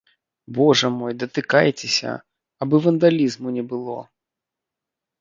Божа мой, датыкайцеся, абы вандалізму не было.